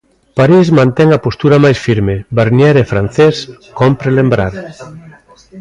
París mantén a postura máis firme ─Barnier é francés, cómpre lembrar─.